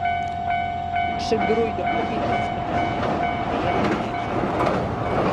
Se groeide op yn Amsterdam yn in read nêst.